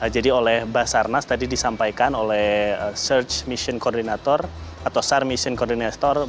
jadi oleh basarnas tadi disampaikan oleh search mission coordinator atau sar mission coordinator